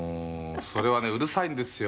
「それはねうるさいんですよ」